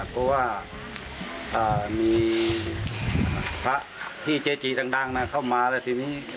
เพราะว่ามีพระที่เจจีดังเข้ามาแล้วทีนี้